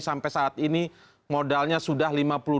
sampai saat ini modalnya sudah